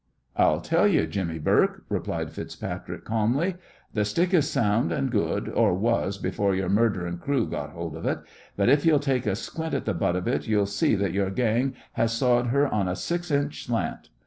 "I'll tell you, Jimmy Bourke," replied FitzPatrick, calmly, "th' stick is sound and good, or was before your murderin' crew got hold of it, but if ye'll take a squint at the butt of it ye'll see that your gang has sawed her on a six inch slant.